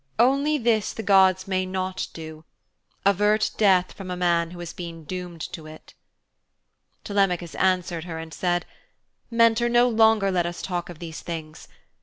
Only this the gods may not do avert death from a man who has been doomed to it.' Telemachus answered her and said, 'Mentor, no longer let us talk of these things.